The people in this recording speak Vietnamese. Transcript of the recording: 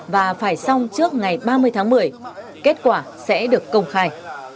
và phải xong trước ngày ba mươi tháng một mươi kết quả sẽ được công khai